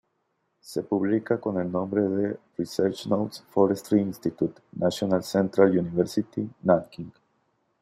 Se publica con el nombre de "Research Notes, Forestry Institute; National Central University, Nanking.